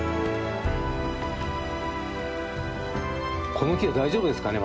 この木は大丈夫ですかね？